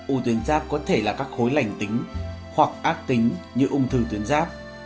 u tuyến giáp có thể là các khối lành tính hoặc ác tính như ung thư tuyến giáp